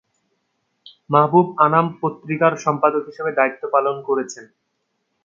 মাহবুব আনাম পত্রিকার সম্পাদক হিসাবে দায়িত্ব পালন করেছেন।